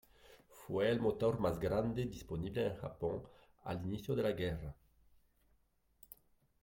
Fue el motor más grande disponible en Japón al inicio de la guerra.